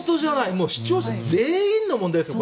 もう視聴者全員の問題ですよ。